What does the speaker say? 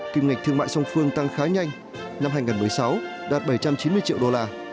kim ngạch thương mại song phương tăng khá nhanh năm hai nghìn một mươi sáu đạt bảy trăm chín mươi triệu đô la